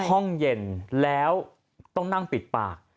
ห้องเย็นแล้วต้องนั่งปิดปาก